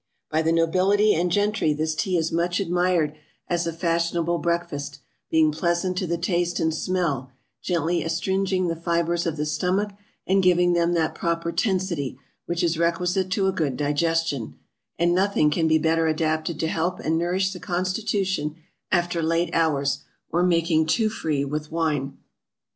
By the NOBILITY and GENTRY this Tea is much admired as a fashionable BREAKFAST; being pleasant to the taste and smell, gently astringing the fibres of the stomach, and giving them that proper tensity, which is requisite to a good digestion; and nothing can be better adapted to help and nourish the Constitution after late hours, or making too free with wine.